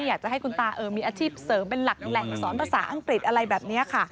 อยากจะให้คุณตามีอาชีพเสริมเป็นหลักแหล่งสอนภาษาอังกฤษอะไรแบบนี้ค่ะ